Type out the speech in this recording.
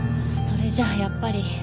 それじゃあやっぱり。